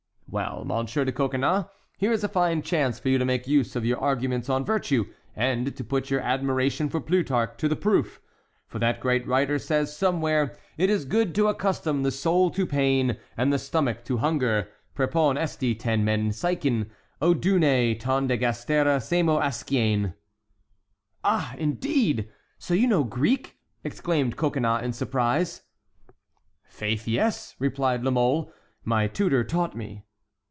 "Well, Monsieur de Coconnas, here is a fine chance for you to make use of your arguments on virtue and to put your admiration for Plutarch to the proof, for that great writer says somewhere: 'It is good to accustom the soul to pain and the stomach to hunger'—'Prepon esti tên men psvchên odunê, ton de gastéra semó askeïn.'" "Ah, indeed! So you know Greek?" exclaimed Coconnas in surprise. "Faith, yes," replied La Mole, "my tutor taught me."